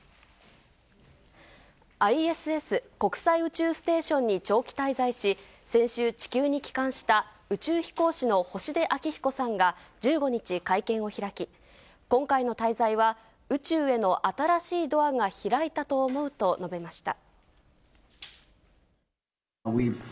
ＩＳＳ・国際宇宙ステーションに長期滞在し、先週、地球に帰還した宇宙飛行士の星出彰彦さんが１５日、会見を開き、今回の滞在は、宇宙への新しいドアが開いたと思うと述べました。